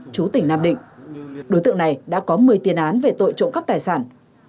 chú tỉnh nam định đối tượng này đã có một mươi tiền án về tội trộm cắp tài sản